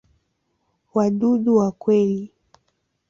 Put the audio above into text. Wadudu wa kweli.